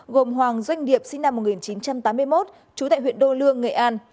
gồm hoàng doanh nghiệp sinh năm một nghìn chín trăm tám mươi một trú tại huyện đô lương nghệ an